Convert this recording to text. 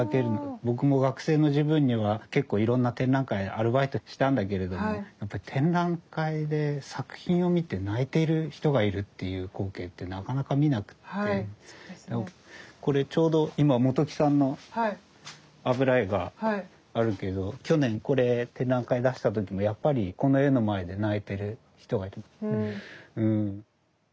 僕も学生の時分には結構いろんな展覧会アルバイトしたんだけれども展覧会で作品を見て泣いている人がいるっていう光景ってなかなか見なくてこれちょうど今本木さんの油絵があるけど去年これ展覧会で出した時もやっぱりこの絵の前で泣いてる人がいて。